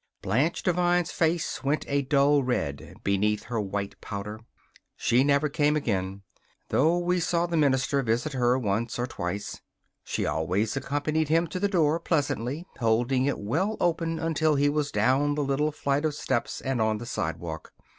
Blanche Devine's face went a dull red beneath her white powder. She never came again though we saw the minister visit her once or twice. She always accompanied him to the door pleasantly, holding it well open until he was down the little flight of steps and on the sidewalk.